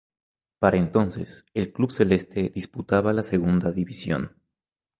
Para entonces, el club "celeste" disputaba la Segunda División.